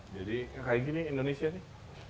jadi kayak gini indonesia nih